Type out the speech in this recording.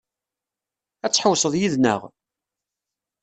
Ad tḥewwseḍ yid-neɣ?